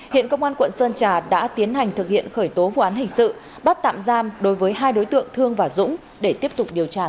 hiện công an quận sơn trà đã tiến hành thực hiện khởi tố vụ án hình sự bắt tạm giam đối với hai đối tượng thương và dũng để tiếp tục điều tra làm rõ